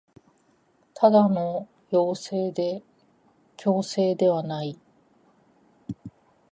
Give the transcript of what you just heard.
ただの要請で強制ではない